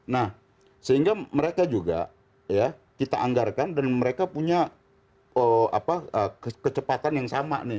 nah sehingga mereka juga ya kita anggarkan dan mereka punya kecepatan yang sama nih